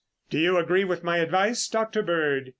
"Do you agree with my advice, Dr. Bird?"